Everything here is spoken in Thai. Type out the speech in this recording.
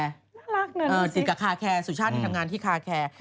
น่ารักหน่อยสิสุชาติกับคาร์แคร์สุชาติทำงานที่คาร์แคร์